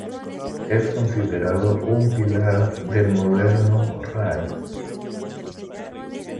Es considerado un pilar del moderno raï.